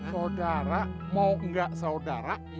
saudara mau gak saudara